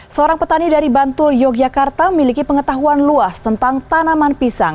seorang petani dari bantul yogyakarta miliki pengetahuan luas tentang tanaman pisang